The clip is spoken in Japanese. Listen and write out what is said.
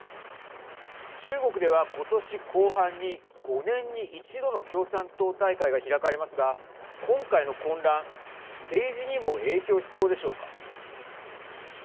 中国では、ことし後半に５年に１度の共産党大会が開かれますが今回の混乱政治にも影響しそうでしょうか。